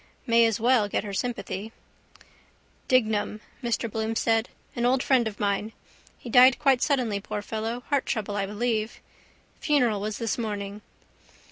May as well get her sympathy. —Dignam, Mr Bloom said. An old friend of mine. He died quite suddenly, poor fellow. Heart trouble, I believe. Funeral was this morning.